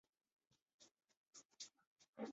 此歌的出现取替了花洒的年度作地位。